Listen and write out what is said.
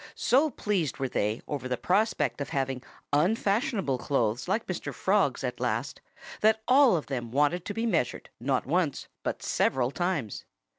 So pleased were they over the prospect of having "unfashionable" clothes like Mr. Frog's at last that all of them wanted to be measured not once but several times.